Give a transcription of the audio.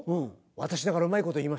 私だからうまいこと言いましたよ。